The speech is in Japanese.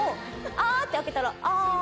あって開けたら。